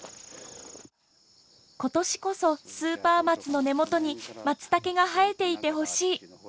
今年こそスーパー松の根元にマツタケが生えていてほしい。